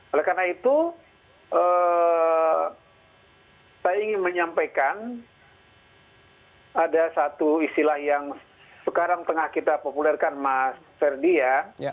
oleh karena itu saya ingin menyampaikan ada satu istilah yang sekarang tengah kita populerkan mas ferdi ya